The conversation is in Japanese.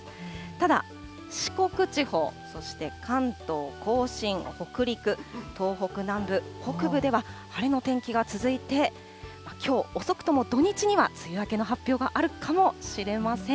ただ四国地方、そして関東甲信、北陸、東北南部、北部では晴れの天気が続いて、きょう遅くとも土日には梅雨明けの発表があるかもしれません。